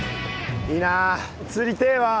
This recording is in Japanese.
いいなあ釣りてえわ。